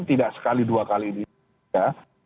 tidak sekali dua kali ini ya